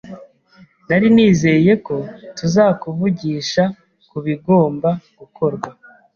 Nari nizeye ko tuzakuvugisha kubigomba gukorwa.